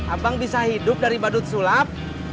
abang bisa hidup dari badut sulap